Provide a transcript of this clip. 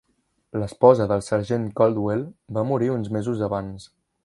L'esposa del sergent Coldwell va morir uns mesos abans.